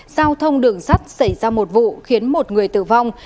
giao thông đường sắt xảy ra một vụ khiến một người tử vong